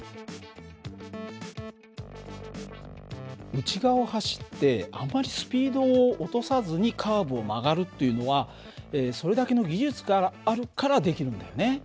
内側を走ってあまりスピードを落とさずにカーブを曲がるというのはそれだけの技術があるからできるんだよね。